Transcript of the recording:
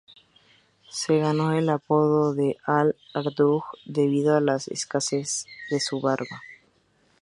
Se ganó el apodo de "al-Arjud" debido a la escasez de su barba.